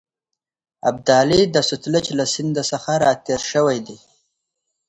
ابدالي د سوتلیج له سیند څخه را تېر شوی دی.